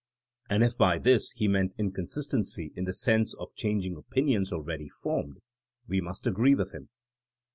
*' And if by this he meant inconsistency in the sense of changing opinions already formed, we must agree with him.